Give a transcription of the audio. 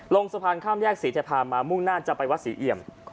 ลงสะพานข้ามแยกศรีทภามามุ่งหน้าจะไปวัดศรีเอี่ยม